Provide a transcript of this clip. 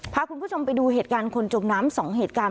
พาคุณผู้ชมไปดูเหตุการณ์คนจมน้ำ๒เหตุการณ์